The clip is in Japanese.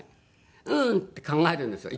うーんって考えるんですよ。